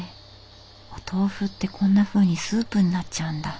お豆腐ってこんなふうにスープになっちゃうんだ。